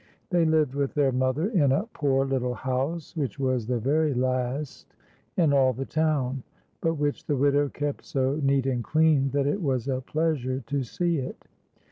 They lived with their mother in a poor little house, which was the very last in all the town ; but which the widow kept so neat and clean that it was a pleasure to see it.